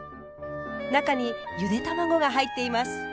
中にゆで卵が入っています。